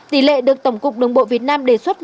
tỷ lệ được tổng cục đường bộ việt nam đề xuất